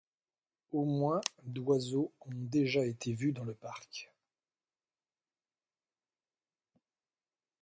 Au moins d'oiseaux ont déjà été vu dans le parc.